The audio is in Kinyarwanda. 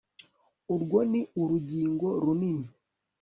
urwo ni urugingo runini